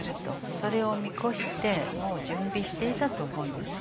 それを見越してもう準備していたと思うんですよ。